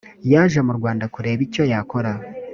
yaje mu rwanda kureba icyo yakora